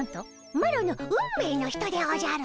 マロの運命の人でおじゃる。